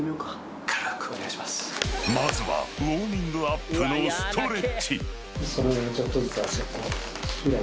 ［まずはウオーミングアップのストレッチ］